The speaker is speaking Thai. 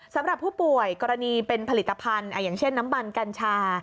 สำหรับผู้ป่วยกรณีเป็นผลิตภัณฑ์อย่างเช่นน้ำมันกัญชา